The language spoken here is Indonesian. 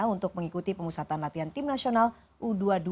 untuk mengikuti pemusatan latihan tim nasional u dua puluh dua